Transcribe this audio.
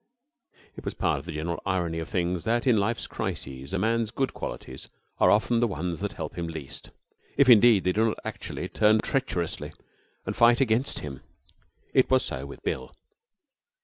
It is part of the general irony of things that in life's crises a man's good qualities are often the ones that help him least, if indeed they do not actually turn treacherously and fight against him. It was so with Bill.